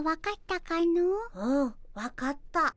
うん分かった。